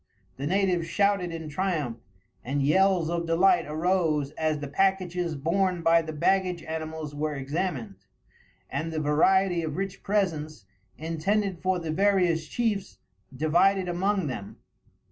The natives shouted in triumph, and yells of delight arose as the packages borne by the baggage animals were examined, and the variety of rich presents, intended for the various chiefs, divided among them.